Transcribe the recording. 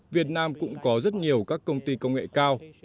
việt nam cũng có rất nhiều các công ty công nghiệp